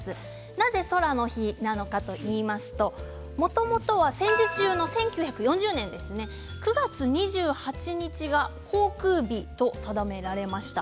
なぜ「空の日」なのかといいますともともとは戦時中の１９４０年９月２８日が「航空日」と定められました。